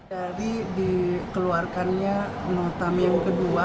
dari dikeluarkannya notam yang kedua